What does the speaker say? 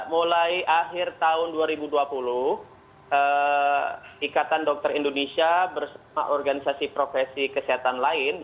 mulai akhir tahun dua ribu dua puluh ikatan dokter indonesia bersama organisasi profesi kesehatan lain